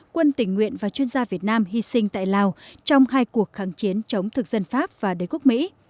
quân tình nguyện và chuyên gia việt nam hy sinh tại lào trong hai cuộc kháng chiến chống thực dân pháp và đế quốc mỹ